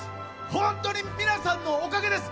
本当に皆さんのおかげです！